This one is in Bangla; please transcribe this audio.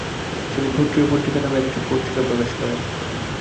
তিনি ক্ষত্রিয় পত্রিকা নামে একটি পত্রিকা প্রকাশ করেন।